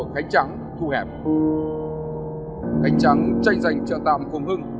bắt đầu hai bên còn thương lượng